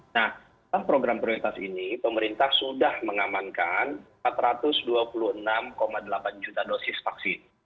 nah dalam program prioritas ini pemerintah sudah mengamankan empat ratus dua puluh enam delapan juta dosis vaksin